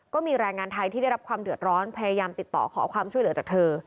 ก็มีแรงงานไทยที่ได้รับความเดือดร้อนพยายามติดต่อขอความช่วยเหลือจากเธอ